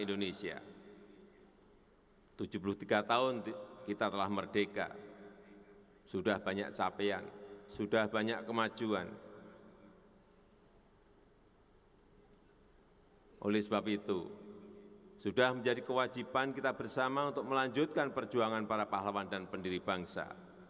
oleh sebab itu sudah menjadi kewajiban kita bersama untuk melanjutkan perjuangan para pahlawan dan pendiri bangsa